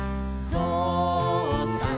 ぞうさん